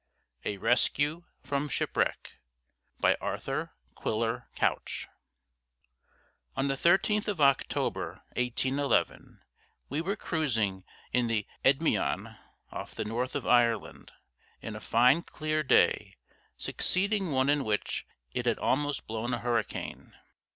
A RESCUE FROM SHIPWRECK By Arthur Quiller Couch On the 13th of October, 1811, we were cruising in the Endymion, off the north of Ireland, in a fine clear day succeeding one in which it had almost blown a hurricane.